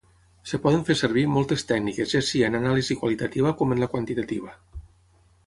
Es poden fer servir moltes tècniques ja sia en anàlisi qualitativa com en la quantitativa.